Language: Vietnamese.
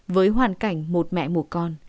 với hoàn cảnh một mẹ một con